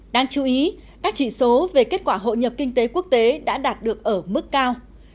đáng chú ý các chỉ số về kết quả hội nhập kinh tế quốc tế đã đạt được ở mức cao